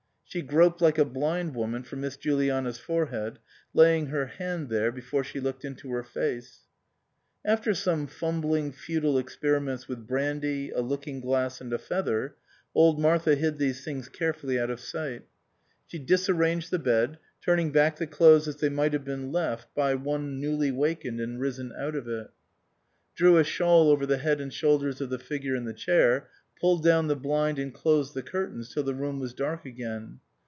She groped like a blind woman for Miss Juliana's forehead, laying her hand there before she looked into her face. After some fumbling futile experiments with brandy, a looking glass and a feather, old Martha hid these things carefully out of sight ; she disarranged the bed, turning back the clothes as they might have been left by one 327 SUPERSEDED newly wakened and risen out of it ; drew a shawl over the head and shoulders of the figure in the chair ; pulled down the blind and closed the curtains till the room was dark again.